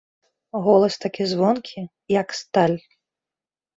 Голас такі звонкі, як сталь.